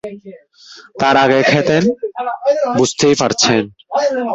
তার আগে খেতেন, বুঝতেই পারছেন।